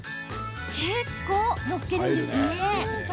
結構、載っけるんですね。